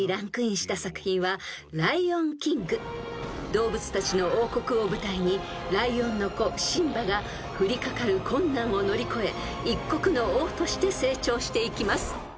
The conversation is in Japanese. ［動物たちの王国を舞台にライオンの子シンバが降りかかる困難を乗り越え一国の王として成長していきます］